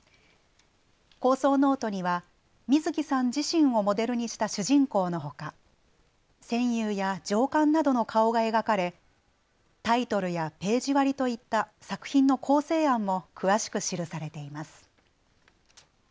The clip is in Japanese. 構想ノートには水木さん自身をモデルにした主人公のほか戦友や上官などの顔が描かれタイトルやページ割りといった作品の構成案も詳しく記されています。